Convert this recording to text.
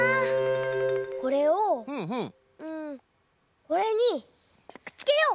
これをうんこれにくっつけよう！